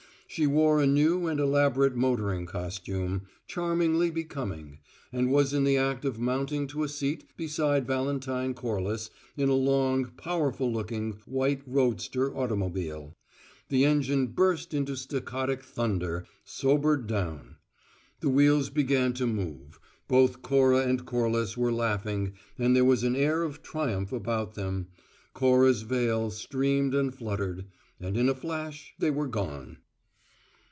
She wore a new and elaborate motoring costume, charmingly becoming, and was in the act of mounting to a seat beside Valentine Corliss in a long, powerful looking, white "roadster" automobile. The engine burst into staccato thunder, sobered down; the wheels began to move both Cora and Corliss were laughing and there was an air of triumph about them Cora's veil streamed and fluttered: and in a flash they were gone.